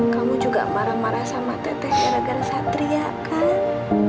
kamu juga marah marah sama teteh gara gara satria kan